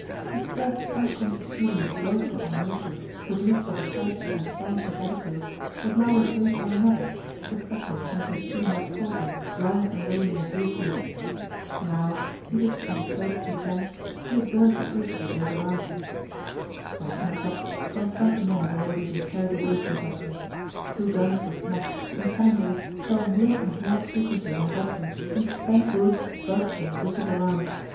His first unconscious feeling of joyful animation produced by the sights and sounds of the battlefield was now replaced by another, especially since he had seen that soldier lying alone in the hayfield. Now, seated on the slope of the trench, he observed the faces of those around him. By ten o'clock some twenty men had already been carried away from the battery; two guns were smashed and cannon balls fell more and more frequently on the battery and spent bullets buzzed and whistled around.